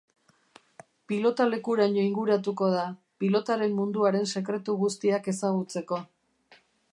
Pilotalekuraino inguratuko da, pilotaren munduaren sekretu guztiak ezagutzeko.